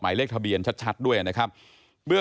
เลขทะเบียนชัดด้วยนะครับ